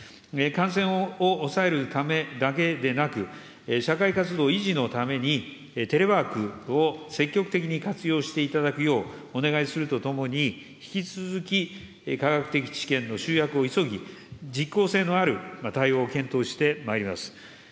感染を抑えるためだけでなく、社会活動維持のために、テレワークを積極的に活用していただくようお願いするとともに、引き続き科学的知見の集約を急ぎ、実効性のある対応を検討してまいります。